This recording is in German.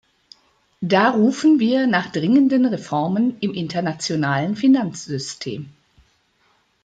Da rufen wir nach dringenden Reformen im internationalen Finanzsystem.